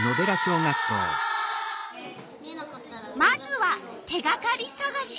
まずは手がかりさがし。